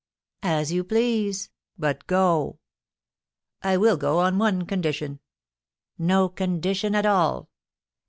"As you please; but go!" "I will go on one condition." "No condition at all!"